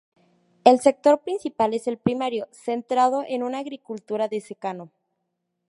El sector principal es el primario, centrado en una agricultura de secano.